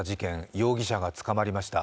容疑者が捕まりました。